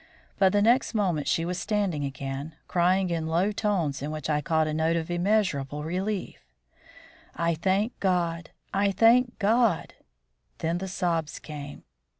But the next moment she was standing again, crying in low tones in which I caught a note of immeasurable relief, "I thank God! I thank God!" Then the sobs came.